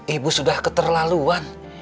ibu sudah keterlaluan